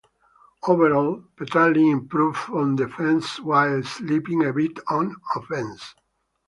Overall, Petralli improved on defense while slipping a bit on offense.